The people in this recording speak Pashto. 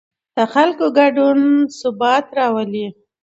د خلکو ګډون ثبات راولي